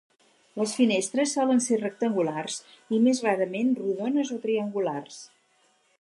Les finestres solen ser rectangulars, i més rarament rodones o triangulars.